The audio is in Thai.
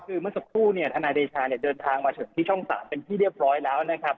คือเมื่อสัปดาห์ทนายเดชาเดินทางมาเฉินที่ช่อง๓เป็นที่เรียบร้อยแล้วนะครับ